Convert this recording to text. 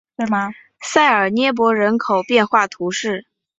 塞尔涅博人口变化图示